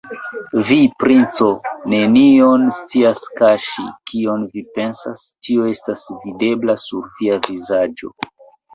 Vi, princo, nenion scias kaŝi: kion vi pensas, tio estas videbla sur via vizaĝo.